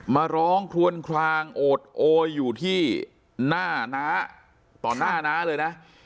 มาร้องคลวนคลางโอดโอยอยู่ที่หน้าน้าต่อหน้าน้าเลยนะ